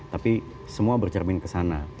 tapi semua bercermin ke sana